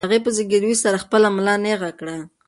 هغې په زګیروي سره خپله ملا نېغه کړه.